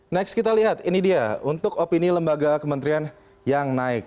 next kita lihat ini dia untuk opini lembaga kementerian yang naik